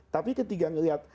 tapi ketika ngelihat